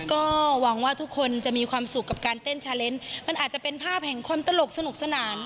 ก็หวังว่าทุกคนจะมีความสุขกับการเต้นชาเลนส์มันอาจจะเป็นภาพแห่งความตลกสนุกสนาน